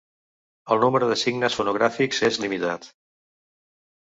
El número de signes fonogràfics és limitat.